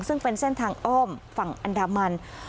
ซึ่งเป็นเส้นทางอ้อมฝั่งอันดามัน